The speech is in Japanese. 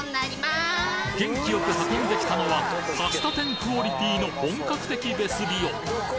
元気よく運んできたのはパスタ店のクオリティーの本格的ベスビオ！